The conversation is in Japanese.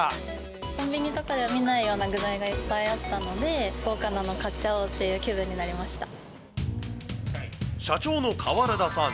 コンビニとかでは見ないような具材がいっぱいあったので、豪華なの買っちゃおうって気分に社長の川原田さん。